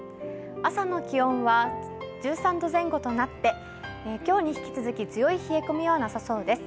朝の気温は１３度前後となって今日に引き続き強い冷え込みはなさそうです。